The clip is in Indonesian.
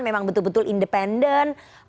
memang betul betul independen